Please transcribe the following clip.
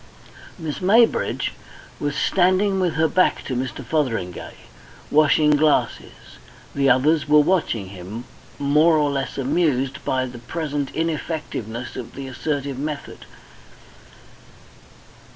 Miss Maybridge was standing with her back to Mr. Fotheringay, washing glasses; the others were watching him, more or less amused by the present ineffectiveness of the assertive method.